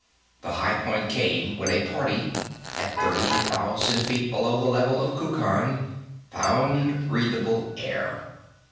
The high point came when one party, at thirty thousand feet below the level of Kukan, found breathable air.